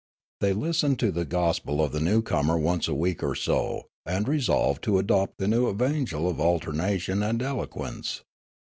They listened to the Jabberoo 247 gospel of the newcomer once a week or so, and resolved to adopt the new evangel of alternation of eloquence.